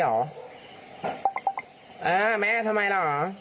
เออแม่ทำไมล่อ